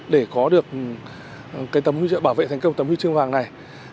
để có được bảo vệ thành công tầm huy chương vàng này